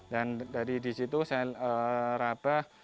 dan dari di situ saya rapah